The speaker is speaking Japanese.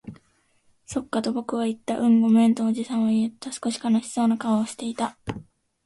そっか、と僕は言った。うん、ごめん、とおじさんは言った。少し悲しそうな顔をしていた。